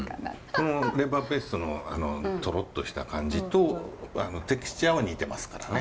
このレバーペーストのトロッとした感じとテクスチャーは似てますからね。